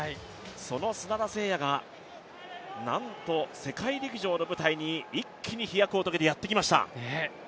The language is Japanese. その砂田晟弥がなんと、世界陸上の舞台に一気に飛躍を遂げてやってきました。